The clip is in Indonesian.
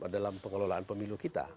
dalam pengelolaan pemilu kita